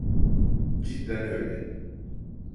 Cidden öyle.